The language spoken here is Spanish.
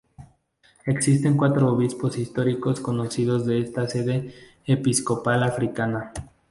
Existen cuatro obispos históricos conocidos de esta sede episcopal africana.